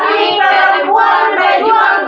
menyengsarakan sekali pak